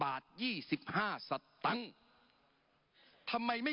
ปรับไปเท่าไหร่ทราบไหมครับ